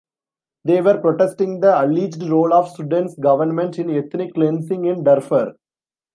They were protesting the alleged role of Sudan's government in ethnic cleansing in Darfur.